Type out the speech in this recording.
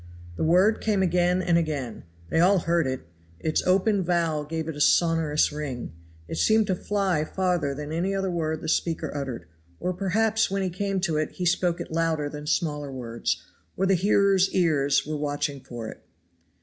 The word came again and again; they all heard it its open vowel gave it a sonorous ring; it seemed to fly farther than any other word the speaker uttered, or perhaps when he came to it he spoke it louder than smaller words, or the hearers' ears were watching for it.